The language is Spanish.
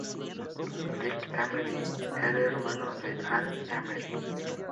Dick Emery era hermano de Ann Emery.